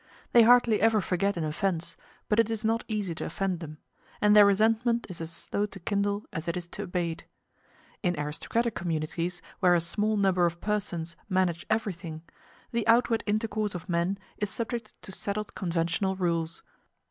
They hardly ever forget an offence, but it is not easy to offend them; and their resentment is as slow to kindle as it is to abate. In aristocratic communities where a small number of persons manage everything, the outward intercourse of men is subject to settled conventional rules.